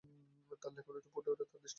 তার লেখনীতে ফুটে ওঠে তার দৃষ্টিভঙ্গি।